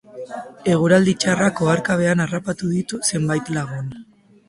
Eguraldi txarrak oharkabean harrapatu ditu zenbait lagun.